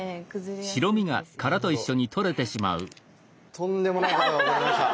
とんでもないことが起こりました。